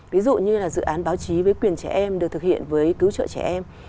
ví dụ như là dự án báo chí với quyền trẻ em được thực hiện với cứu trợ trẻ em